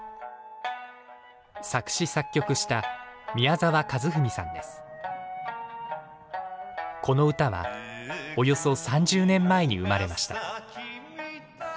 作詞作曲したこの歌はおよそ３０年前に生まれました。